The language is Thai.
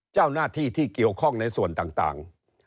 เจ้าหน้าที่ที่เกี่ยวข้องในส่วนต่าง